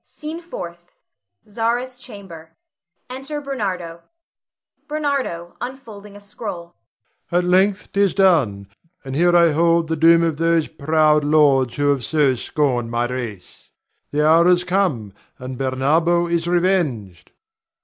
SCENE FOURTH. [Zara's chamber. Enter Bernardo.] Ber. [unfolding a scroll]. At length 't is done, and here I hold the doom of those proud lords who have so scorned my race. The hour has come, and Bernardo is revenged.